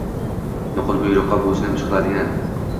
nuqul buyruqqa bo‘ysunib ish qiladigan